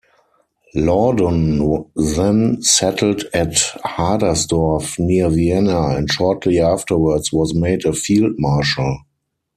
Laudon then settled at Hadersdorf near Vienna, and shortly afterwards was made a field-marshal.